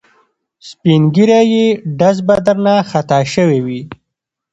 سپین ږیری یې ډز به درنه خطا شوی وي.